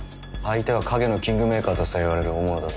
相手は影のキングメーカーとさえ言われる大物だぞ。